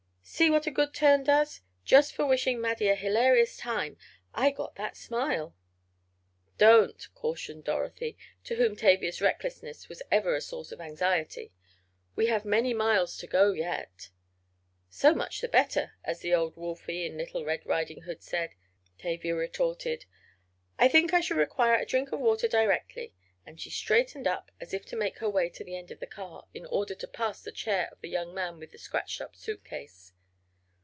"See what a good turn does. Just for wishing Maddie a hilarious time I got that smile." "Don't," cautioned Dorothy, to whom Tavia's recklessness was ever a source of anxiety. "We have many miles to go yet." "'So much the better,' as the old Wolfie, in Little Red Riding Hood, said," Tavia retorted. "I think I shall require a drink of water directly," and she straightened up as if to make her way to the end of the car, in order to pass the chair of the young man with the scratched up suitcase.